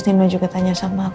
tadi pak nino juga tanya sama aku